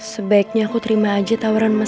sebaiknya aku terima aja tawaran mas adi